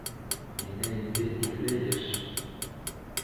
Миңә инде илле йәш.